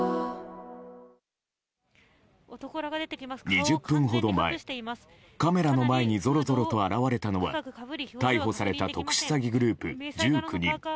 ２０分ほど前、カメラの前にぞろぞろと現れたのは逮捕された特殊詐欺グループ１９人。